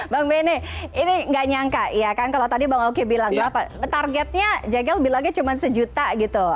bang bena ini gak nyangka ya kan kalau tadi bang oki bilang targetnya jagiel bilangnya cuma satu juta gitu